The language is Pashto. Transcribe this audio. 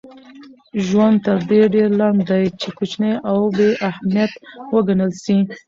ژوند تر دې ډېر لنډ دئ، چي کوچني او بې اهمیت وګڼل سئ.